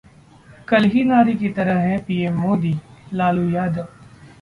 कलही नारी की तरह हैं पीएम मोदी: लालू यादव